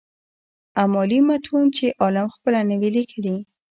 امالي متون چي عالم خپله نه وي ليکلي.